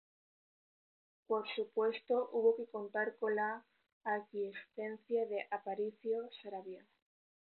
Por supuesto, hubo que contar con la aquiescencia de Aparicio Saravia.